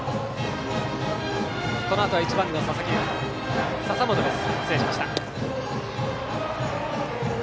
このあとは１番の笹本です。